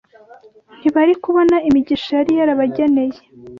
ntibari kubona imigisha yari yarabageneye